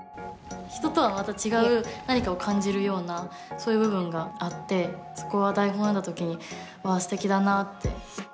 人とはまた違う何かを感じるようなそういう部分があってそこは台本を読んだ時にわあすてきだなって。